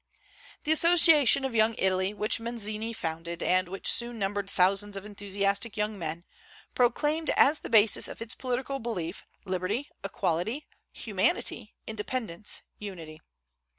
The Association of Young Italy which Mazzini founded, and which soon numbered thousands of enthusiastic young men, proclaimed as the basis of its political belief Liberty, Equality, Humanity, Independence, Unity.